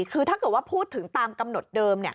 คือถ้าเกิดว่าพูดถึงตามกำหนดเดิม